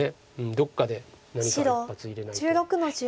どっかで何か一発入れないと。